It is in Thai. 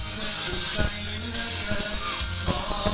ฉันสุขใจเหลือเกิน